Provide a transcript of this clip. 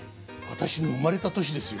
私の生まれた年ですよ。